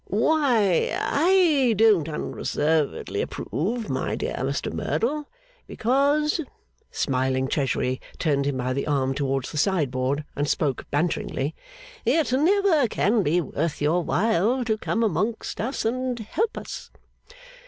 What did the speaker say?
'Why, I don't unreservedly approve, my dear Mr Merdle. Because,' smiling Treasury turned him by the arm towards the sideboard and spoke banteringly, 'it never can be worth your while to come among us and help us.